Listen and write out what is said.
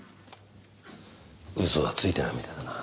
嘘はついてないみたいだな。